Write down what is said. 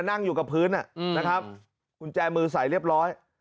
นั่งอยู่กับพื้นนะครับกุญแจมือใส่เรียบร้อย